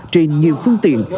trên nhiều phương tiện